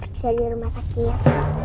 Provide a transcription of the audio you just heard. bisa di rumah sakit